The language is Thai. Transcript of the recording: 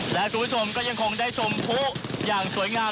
และคุณผู้ชมก็ยังคงได้ชมพลุอย่างสวยงาม